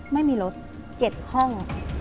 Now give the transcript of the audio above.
ไม่มีรถ๗ห้อง